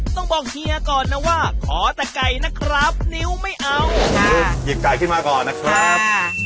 ต้องบอกเฮียก่อนนะว่าขอแต่ไก่นะครับนิ้วไม่เอาหยิบไก่ขึ้นมาก่อนนะครับ